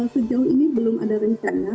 sejauh ini belum ada rencana